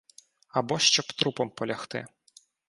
Або щоб трупом полягти.